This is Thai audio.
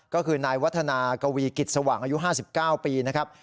ก็คือนายวัฒนากวีกิจสว่างอายุ๕๙ปีนะครับ